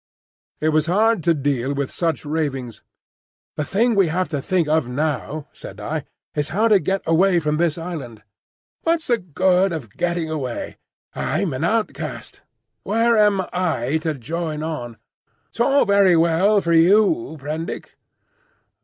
It was hard to deal with such ravings. "The thing we have to think of now," said I, "is how to get away from this island." "What's the good of getting away? I'm an outcast. Where am I to join on? It's all very well for you, Prendick.